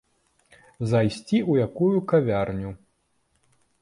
Зайсці ў якую кавярню.